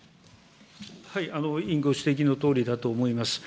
委員ご指摘のとおりだと思います。